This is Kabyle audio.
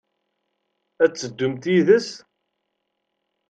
Ad teddumt yid-s?